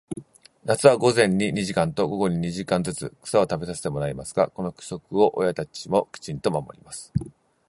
夏は午前に二時間と、午後に二時間ずつ、草を食べさせてもらいますが、この規則を親たちもきちんと守ります。